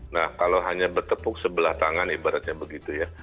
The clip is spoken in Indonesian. nah kalau hanya bertepuk sebelah tangan ibaratnya begitu ya